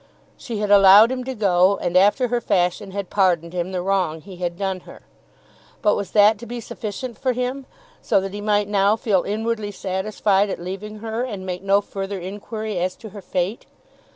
She had allowed him to go, and after her fashion had pardoned him the wrong he had done her. But was that to be sufficient for him, so that he might now feel inwardly satisfied at leaving her, and make no further inquiry as to her fate?